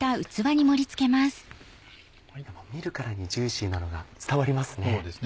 見るからにジューシーなのが伝わりますね。